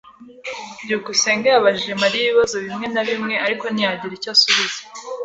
byukusenge yabajije Mariya ibibazo bimwe na bimwe, ariko ntiyagira icyo asubiza.